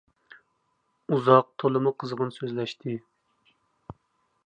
ئۇزاق، تولىمۇ قىزغىن سۆزلەشتى.